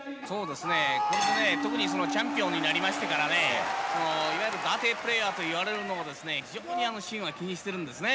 特にチャンピオンになりましてからいわゆるダーティープレーヤーといわれるのを非常にシンは気にしているんですね。